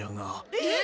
えっ？